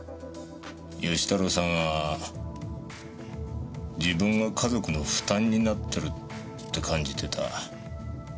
義太郎さんは自分が家族の負担になってるって感じてた。